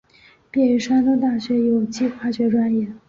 毕业于山东大学有机化学专业。